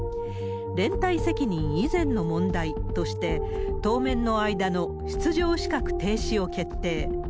連帯責任以前の問題として、当面の間の出場資格停止を決定。